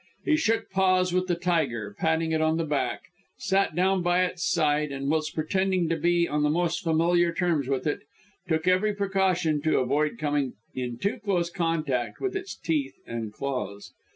He shook paws with the tiger, patted it on the back, sat down by its side, and, whilst pretending to be on the most familiar terms with it, took every precaution to avoid coming in too close contact with its teeth and claws.